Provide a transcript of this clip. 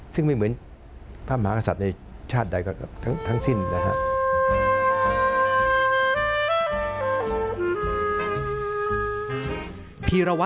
ซึ่งไม่เหมือนพระมหากษัตริย์ในชาติใดทั้งสิ้นนะครับ